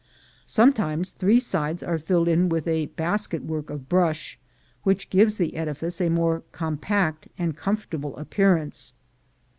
Sometimes three sides are filled in with a basketwork of brush, which gives the edifice a more compact and comfortable ap pearance.